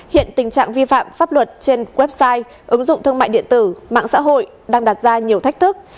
hiện tình trạng vi phạm pháp luật trên website ứng dụng thương mại điện tử mạng xã hội đang đặt ra nhiều thách thức